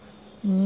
うん。